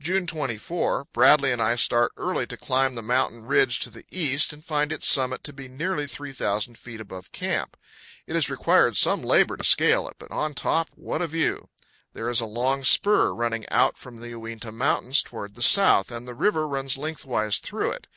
PROM ECHO PAEK TO THE MOUTH OF UINTA KIVEK. 177 June 24. Bradley and I start early to climb the mountain ridge to the east, and find its summit to be nearly 3,000 feet above camp. It has required some labor to scale it; but on its top, what a view! There is a long spur running out from the Uinta Mountains toward the south, and the river runs lengthwise through it.